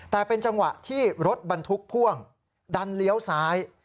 แต่เป็นจังหวะที่รถบรรทุกพ่วงดันเลี้ยวซ้าย